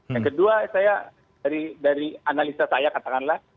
yang kedua saya dari analisa saya katakanlah